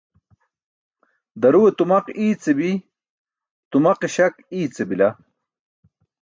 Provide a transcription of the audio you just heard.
Daruwe tumaq iice bi, tumaq-śak iice bila.